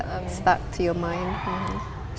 yang terjadi di pikiran kamu